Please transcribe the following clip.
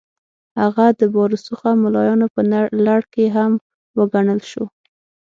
هغه د با رسوخه ملایانو په لړ کې هم وګڼل شو.